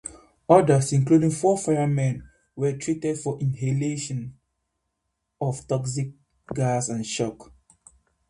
Others, including four firemen, were treated for inhalation of toxic gas and shock.